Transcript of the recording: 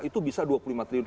itu bisa dua puluh lima triliun